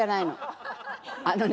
あのね